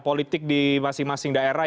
politik di masing masing daerah